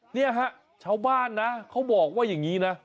เนี่ยฮะชาวบ้านนะเขาบอกว่าอย่างนี้นะ